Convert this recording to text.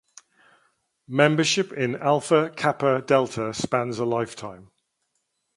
Membership in Alpha Kappa Delta spans a lifetime.